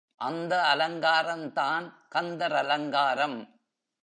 அந்த அலங்காரந்தான் கந்தர் அலங்காரம்.